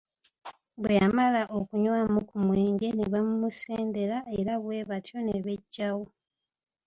Bwe yamala okunywamu ku mwenge ne bamumusendera era bwe batyo ne beggyawo.